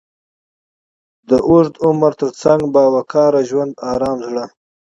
د اوږد عمر تر څنګ، با وقاره ژوند، ارام زړه،